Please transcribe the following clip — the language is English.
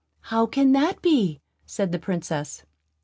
"How can that be?" said the Princess.